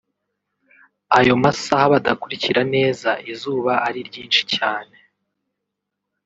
ayo masaha badakurikira neza izuba ari ryinshi cyane